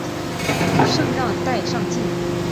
圣让代尚普。